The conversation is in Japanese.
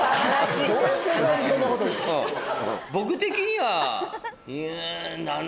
僕的には。